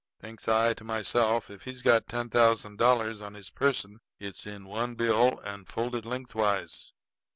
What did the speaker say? Thinks I to myself, if he's got ten thousand dollars on his person it's in one bill and folded lengthwise.